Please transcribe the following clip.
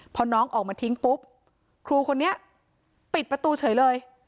พอน้องออกมาทิ้งปุ๊บครูคนนี้ปิดประตูเฉยเลย